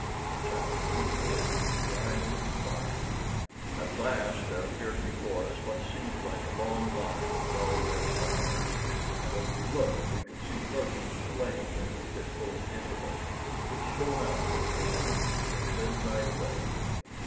CHAPTER XXIII THE ISLAND OF FIRE At last there appeared before us what seemed like a long line of dull red fires, and as we looked we could see bursts of flame at fitful intervals, which shone out for a few moments and then died away.